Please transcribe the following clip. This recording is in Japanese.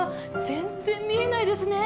全然見えないですね。